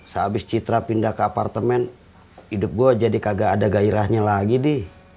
sehabis citra pindah ke apartemen hidup gue jadi kagak ada gairahnya lagi deh